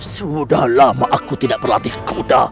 sudah lama aku tidak berlatih kuda